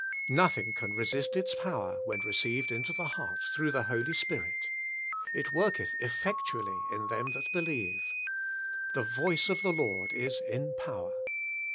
Nothing can resist its power when received into the heart through the Holy Spirit " It worketh effectually in them that believe." " The voice of the Lord is in power."